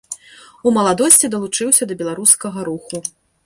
У маладосці далучыўся да беларускага руху.